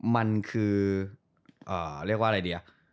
มันคือเรียกว่าอะไรดี